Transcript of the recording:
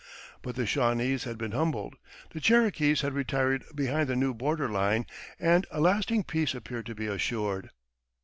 But the Shawnese had been humbled, the Cherokees had retired behind the new border line, and a lasting peace appeared to be assured.